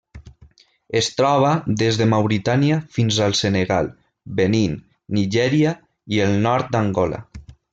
Es troba des de Mauritània fins al Senegal, Benín, Nigèria i el nord d'Angola.